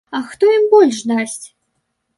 А хто ім больш дасць?